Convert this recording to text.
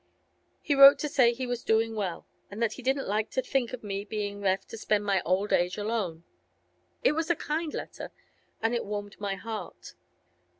He wrote to say he was doing well, and that he didn't like to think of me being left to spend my old age alone. It was a kind letter, and it warmed my heart.